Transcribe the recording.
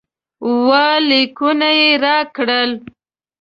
اووه لیکونه یې راکړل.